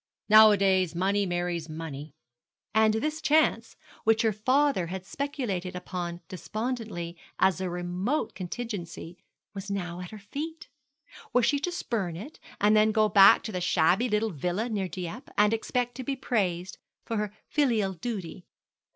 Nowadays money marries money.' And this chance, which her father had speculated upon despondently as a remote contingency, was now at her feet. Was she to spurn it, and then go back to the shabby little villa near Dieppe, and expect to be praised for her filial duty?